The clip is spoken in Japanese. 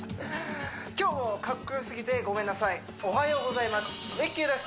今日もかっこよすぎてごめんなさいおはようございますＲＩＣＫＥＹです